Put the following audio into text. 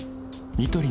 ニトリ